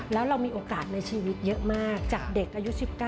แล้วเรามีโอกาสในชีวิตเยอะมากจากเด็กอายุ๑๙